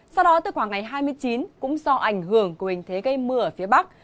sau đó từ khoảng ngày hai mươi chín cũng do ảnh hưởng của hình thế gây mưa ở phía bắc